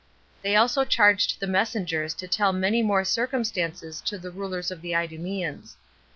They also charged the messengers to tell many more circumstances to the rulers of the Idumeans.